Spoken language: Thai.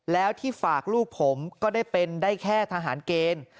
แล้วที่ฝากลูกผมก็ได้เป็นได้แค่ทหารเกณฑ์